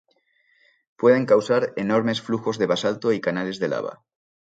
Pueden causar enormes flujos de basalto y canales de lava.